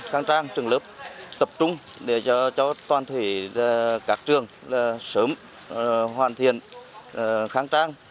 kháng trang trường lớp tập trung để cho toàn thể các trường sớm hoàn thiện kháng trang